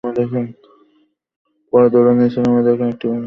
পরে দৌড়ে নিচে নেমে দেখেন, একটি গাড়ির গ্যাস সিলিন্ডার বিস্ফোরণে আগুন লেগেছে।